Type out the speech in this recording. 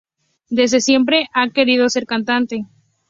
Desde siempre ha querido ser cantante.